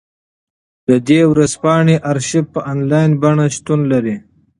د دې ژورنال ارشیف په انلاین بڼه شتون لري.